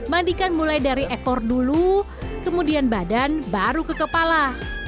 mandikan mulai dari ekor dulu kemudian badan baru ke kepala